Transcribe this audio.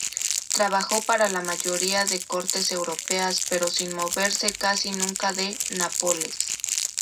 Trabajó para la mayoría de cortes europeas, pero sin moverse casi nunca de Nápoles.